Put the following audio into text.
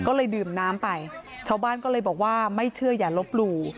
ก็เลยดื่มน้ำไปชาวบ้านก็เลยบอกว่าไม่เชื่ออย่าลบหลู่